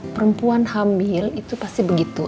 perempuan hamil itu pasti begitu